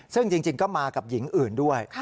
ซึ่งจริงก็มากับหญิงอื่นด้วย